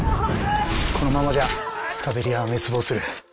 このままじゃスカベリアは滅亡する。